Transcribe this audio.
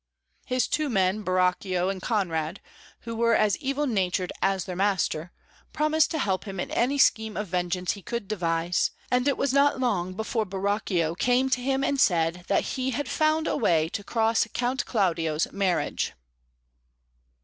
His two men, Borachio and Conrade, who were as evil natured as their master, promised to help him in any scheme of vengeance he could devise, and it was not long before Borachio came to him and said that he had found a way to cross Count Claudio's marriage.